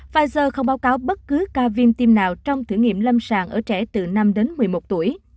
pfizer không báo cáo bất cứ ca viêm tim nào trong thử nghiệm lâm sàng ở trẻ từ năm đến một mươi một tuổi